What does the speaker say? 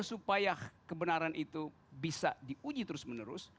supaya kebenaran itu bisa diuji terus menerus